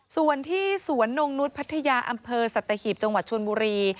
ส่วนที่สวนนงนุษย์พัทยาอำเภอสัตหีบจังหวัดชนบุรี